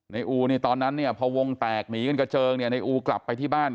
นายอูตอนนั้นพอวงแตกหนีกันเกาะเจิงนายอูกลับไปที่บ้าน